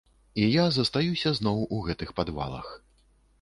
І я застаюся зноў у гэтых падвалах.